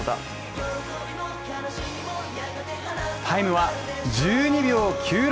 タイムは１２秒９６！